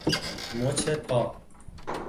مچ پا